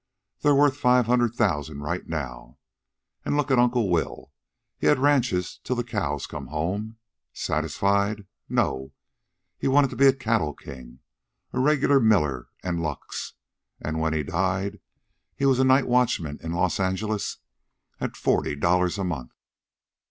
They're worth five hundred thousand right now. An' look at Uncle Will. He had ranches till the cows come home. Satisfied? No. He wanted to be a cattle king, a regular Miller and Lux. An' when he died he was a night watchman in Los Angeles at forty dollars a month.